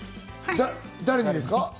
誰にですか？